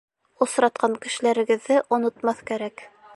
Осратҡан кешеләрегеҙҙе онотмаҫ кәрәк.